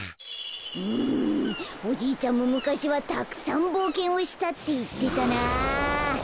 うんおじいちゃんもむかしはたくさんぼうけんをしたっていってたなあ。